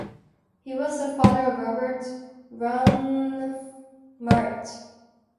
He was the father of Robert Ranulph Marett.